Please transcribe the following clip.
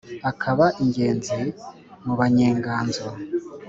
akaba ingenzi mu banyenganzo.